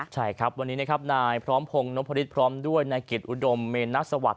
ใช่ครับวันนี้นายพร้อมพรงค์หน้าพระฤทธิ์พร้อมด้วยนายเกียรติอุดรมแมนสวรรค์